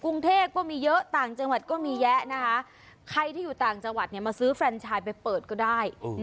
กรุงเทพก็มีเยอะต่างจังหวัดก็มีแยะนะคะใครที่อยู่ต่างจังหวัดเนี่ยมาซื้อแรนชายไปเปิดก็ได้